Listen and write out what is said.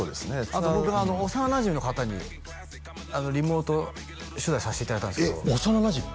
あと僕幼なじみの方にリモート取材さしていただいたんですけど幼なじみ？